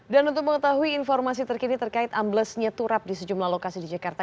dan untuk mengetahui informasi terkini terkait amblesnya turap di sejumlah lokasi di jakarta